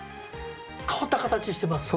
変わった形してますね。